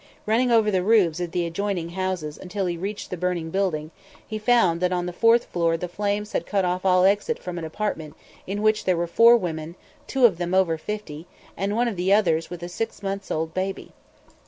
Running over the roofs of the adjoining houses until he reached the burning building, he found that on the fourth floor the flames had cut off all exit from an apartment in which there were four women, two of them over fifty, and one of the others with a six months old baby.